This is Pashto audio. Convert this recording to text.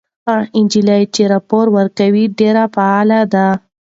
هغه نجلۍ چې راپور ورکوي ډېره فعاله ده.